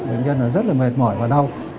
bệnh nhân rất là mệt mỏi và đau